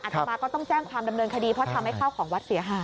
ตมาก็ต้องแจ้งความดำเนินคดีเพราะทำให้ข้าวของวัดเสียหาย